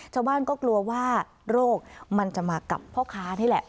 ชาวบ้านก็กลัวว่าโรคมันจะมากับพ่อค้านี่แหละ